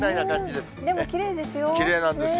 でもきれいですよ。